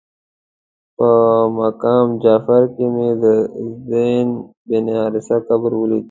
په مقام جعفر کې مې د زید بن حارثه قبر ولید.